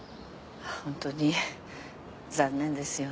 ホントに残念ですよね。